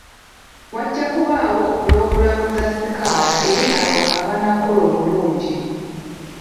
Wajja kubaawo pulogulaamu za sikaala eri abo abanaakola obulungi.